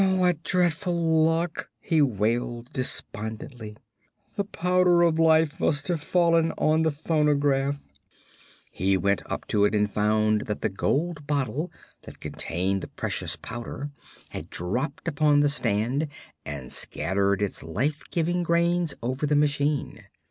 "What dreadful luck!" he wailed, despondently. "The Powder of Life must have fallen on the phonograph." He went up to it and found that the gold bottle that contained the precious powder had dropped upon the stand and scattered its life giving grains over the machine.